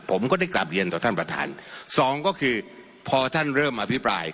ผมก็ได้กลับเรียนต่อท่านประธานสองก็คือพอท่านเริ่มอภิปราย